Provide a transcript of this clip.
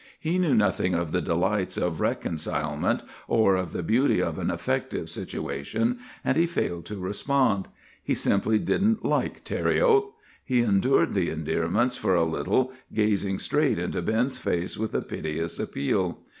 He knew nothing of the delights of reconcilement, or of the beauty of an effective situation, and he failed to respond. He simply didn't like Thériault. He endured the endearments for a little, gazing straight into Ben's face with a piteous appeal.